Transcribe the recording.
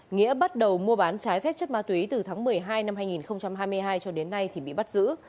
nghĩa bắt đầu mua bán trái phép chất ma túy từ tháng một mươi hai năm hai nghìn hai mươi hai cho đến nay thì bị bắt giữ